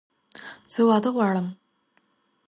زه واده غواړم!